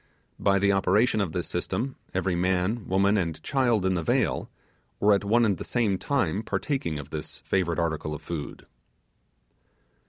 By the operation of this system every man, woman, and child in the vale, were at one and the same time partaking of this favourite article of food.